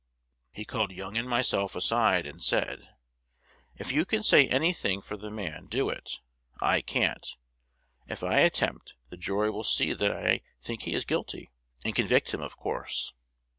He called Young and myself aside, and said, 'If you can say any thing for the man, do it. I can't: if I attempt, the jury will see that I think he is guilty, and convict him, of course.'